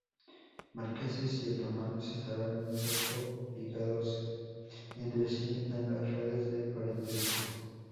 Marqueses y Otomanos estarán muy poco ligados entre sí en las redes de parentesco.